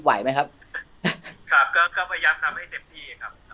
พยายามทำให้เต็มที่